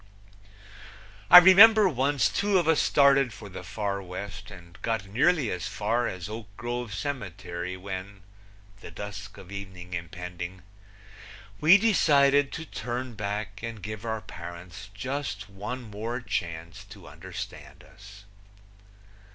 I remember once two of us started for the Far West, and got nearly as far as Oak Grove Cemetery, when the dusk of evening impending we decided to turn back and give our parents just one more chance to understand us.